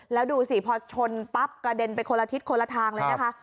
แล้วดูสิพอชนปั๊บกระเด็นไปคนละทิศคนละทางเลยนะคะ